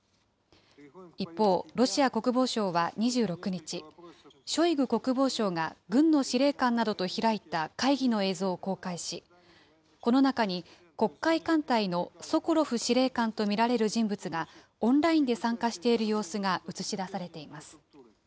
一方、ロシア国防省は２６日、ショイグ国防相が軍の司令官などと開いた会議の映像を公開し、この中に黒海艦隊のソコロフ司令官と見られる人物が、オンラインで参加している様子が映し出されています。